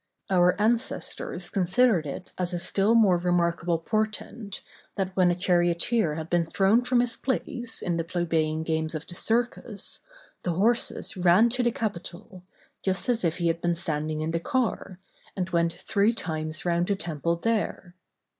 Our ancestors considered it as a still more remarkable portent, that when a charioteer had been thrown from his place, in the plebeian games of the Circus, the horses ran to the Capitol, just as if he had been standing in the car, and went three times round the temple there.